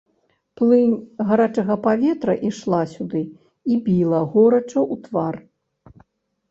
Плынь гарачага паветра ішла сюды і біла горача ў твар.